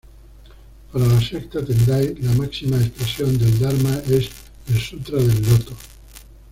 Para la secta Tendai, la máxima expresión del Dharma es el Sutra del loto.